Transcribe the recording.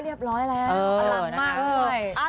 เรียบร้อยแล้วระหลังมาก